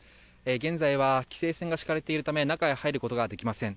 現在は規制線が敷かれているため中へ入ることはできません。